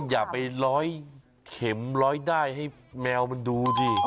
อย่าไปร้อยเข็มร้อยได้ให้แมวมันดูดิ